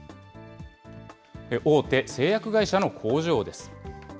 大手製薬会社の工場です。